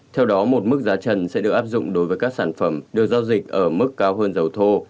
theo đó một mức giá trần sẽ được áp dụng đối với các sản phẩm được giao dịch ở mức cao hơn dầu thô